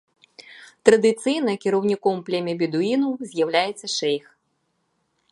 Традыцыйна кіраўніком племя бедуінаў з'яўляецца шэйх.